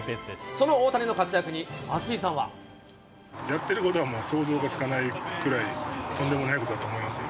その大谷の活躍に松井さんは。やっていることは、もう想像がつかないくらいとんでもないことだと思いますよ。